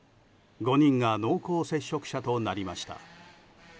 ５人が濃厚接触者となりました。